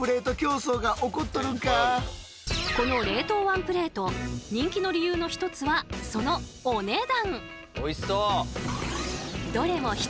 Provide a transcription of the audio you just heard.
この冷凍ワンプレート人気の理由の一つはそのお値段！